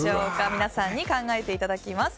皆さんに考えていただきます。